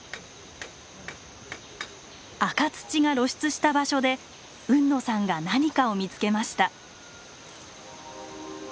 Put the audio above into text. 赤土が露出した場所で海野さんが何かを見つけました。